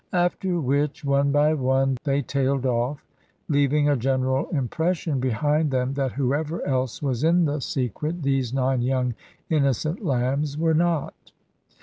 After which, one by one they tailed off, leaving a general impression behind them that whoever else was in the secret, these nine young innocent lambs were not.